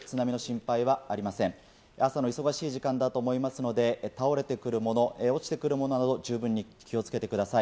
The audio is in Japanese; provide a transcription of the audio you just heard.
朝の忙しい時間だと思いますので倒れてくるもの落ちてくるものなど十分に気をつけてください。